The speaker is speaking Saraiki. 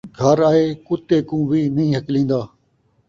گھر آئے کتّے کوں وی نئیں ہکلین٘دا